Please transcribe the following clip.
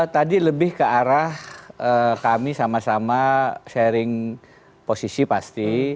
tadi lebih ke arah kami sama sama sharing posisi pasti